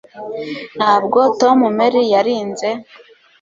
Ntabwo Tom Mary yarinze